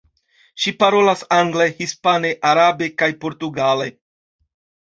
Ŝi parolas angle, hispane, arabe kaj portugale.